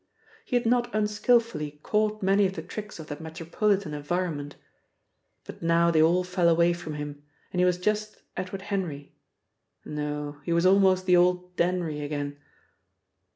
He had not unskillfully caught many of the tricks of that metropolitan environment. But now they all fell away from him, and he was just Edward Henry nay, he was almost the old Denry again.